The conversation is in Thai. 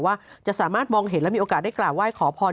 ว่าจะสามารถมองเห็นและมีโอกาสได้กราบไหว้ขอพร